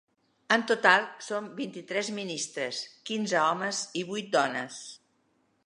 En total són vint-i-tres ministres: quinze homes i vuit dones.